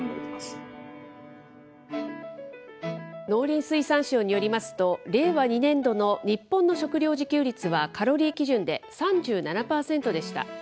農林水産省によりますと、令和２年度の日本の食料自給率はカロリー基準で３７％でした。